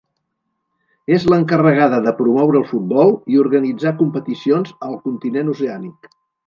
És l'encarregada de promoure el futbol i organitzar competicions al continent oceànic.